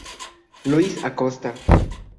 Luis Acosta